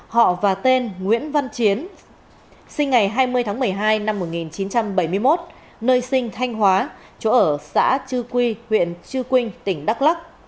họ và tên nguyễn văn chiến sinh ngày hai mươi tháng một mươi hai năm một nghìn chín trăm bảy mươi một nơi sinh thanh hóa chỗ ở xã chư quy huyện chư quynh tỉnh đắk lắc